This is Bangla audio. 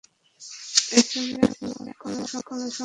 এসবের সাথে আমার কোনো সম্পর্ক নেই।